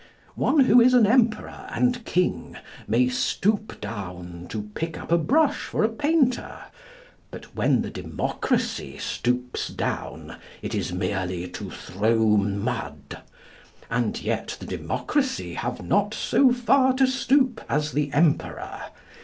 One who is an Emperor and King may stoop down to pick up a brush for a painter, but when the democracy stoops down it is merely to throw mud. And yet the democracy have not so far to stoop as the emperor.